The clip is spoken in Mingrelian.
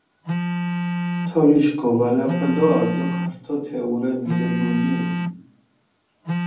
თოლიშ გოვალაფა დო არძოქ ართო თეჸურე მიდეგურგინჷ.